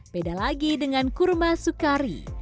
beda lagi dengan kurma sukari